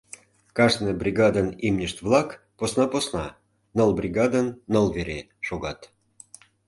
Кажне бригадын имньышт-влак посна-посна — ныл бригадын ныл вере — шогат.